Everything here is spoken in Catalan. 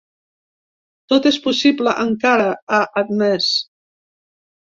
Tot és possible encara, ha admès.